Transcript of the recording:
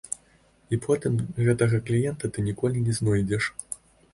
І потым гэтага кліента ты ніколі не знойдзеш.